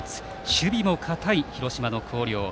守備も堅い広島の広陵。